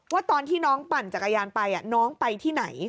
ว่าตอนที่น้องปั่นจักรยานไปน้องไปที่ไหน